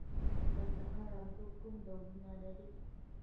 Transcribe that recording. د کندهار انګور کوم ډولونه لري؟